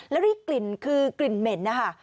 แล้วได้กลิ่นคือกลิ่นเหม็นนะคะ